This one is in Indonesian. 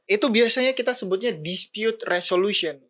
itu biasanya kita sebutnya dispute resolution